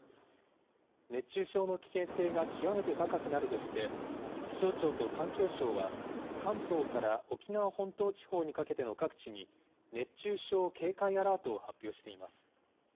熱中症の危険性が極めて高くなるとして、気象庁と環境省は、関東から沖縄本島地方にかけての各地に、熱中症警戒アラートを発表しています。